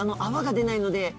泡が出ないので。